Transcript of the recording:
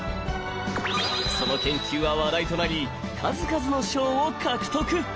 その研究は話題となり数々の賞を獲得。